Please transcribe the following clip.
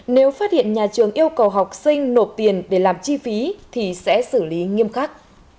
nếu phát hiện nhà trường yêu cầu học sinh nộp tiền để làm chi phí thì sẽ xử lý nghiêm khắc